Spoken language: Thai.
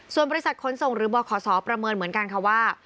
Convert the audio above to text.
ส่วนบริษัทคนทรงหรือบรขสอประเมินเหมือนกันว่า